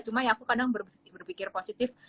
cuma ya aku kadang berpikir positif